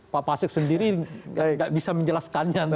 pak pasik sendiri tidak bisa menjelaskan